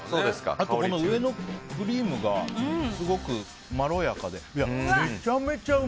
あと、上のクリームがすごくまろやかで。